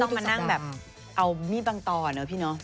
แล้วก็ไม่ต้องมานั่งแบบเอามีดปังต่อเหรอพี่น้อง